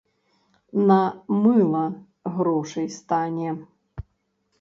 На мыла грошай стане.